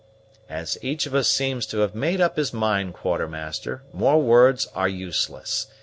"As each of us seems to have made up his mind, Quartermaster, more words are useless.